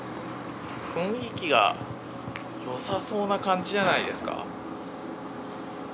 雰囲気がよさそうな感じじゃないですか？